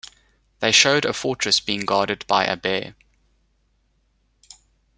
They showed a fortress being guarded by a bear.